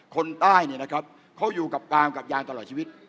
คนใต้เนี่ยนะครับเขาอยู่กับกามกับยางตลอดชีวิต